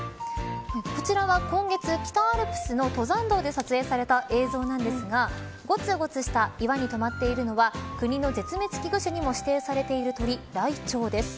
こちらは今月、北アルプスの登山道で撮影された映像なんですがごつごつした岩に止まっているのは国の絶滅危惧種にも指定されている鳥ライチョウです。